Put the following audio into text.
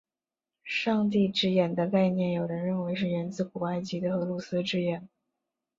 上帝之眼的概念有人认为是源自古埃及的荷鲁斯之眼。